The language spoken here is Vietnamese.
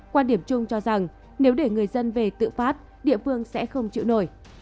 quan điểm chung cho rằng nếu để người dân về tự phát địa phương sẽ không chịu nổi